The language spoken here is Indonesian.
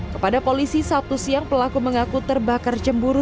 kepada polisi sabtu siang pelaku mengaku terbakar cemburu